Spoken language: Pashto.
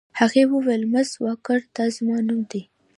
هغې وویل: مس واکر، دا زما نوم دی.